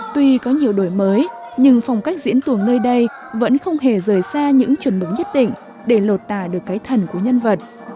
tuy có nhiều đổi mới nhưng phong cách diễn tuồng nơi đây vẫn không hề rời xa những chuẩn mực nhất định để lột tả được cái thần của nhân vật